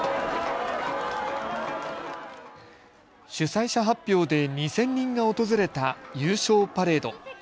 主催者発表で２０００人が訪れた優勝パレード。